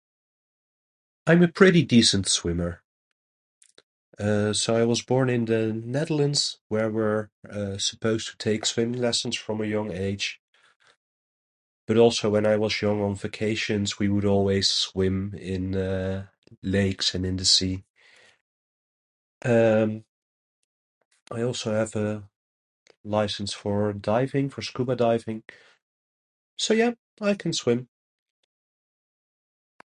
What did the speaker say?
I'm a pretty decent swimmer. Uh, so I was born in the Netherlands where we're, uh, supposed to take swimming lessons from a young age. But also, when I was young on vacations we would always swim in, uh, lakes and in the sea. Um, I also have a license for diving, for scuba diving. So, yep, I can swim.